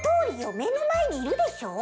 めのまえにいるでしょ？